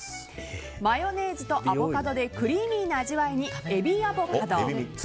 マヨネーズとアボカドでクリーミーな味わいにえびアボカド。